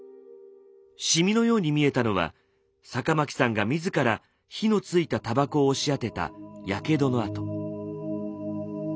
シミのように見えたのは酒巻さんが自ら火のついたタバコを押し当てたやけどの痕。